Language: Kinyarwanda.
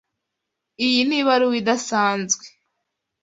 Iyi ni ibaruwa idasanzwe.